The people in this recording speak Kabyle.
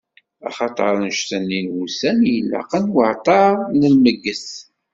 Axaṭer annect-nni n wussan i yelaqen i uɛeṭṭer n lmegget.